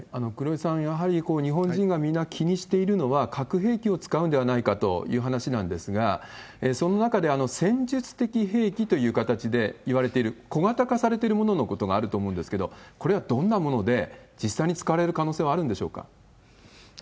黒井さん、やはり日本人がみんな気にしているのは、核兵器を使うんではないかという話なんですが、そんな中で、戦術的兵器という形でいわれている小型化されているもののことがあると思うんですけど、これはどんなもので、実際に使われる可能